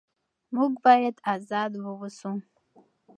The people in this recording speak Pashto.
موږ باید ازاد واوسو.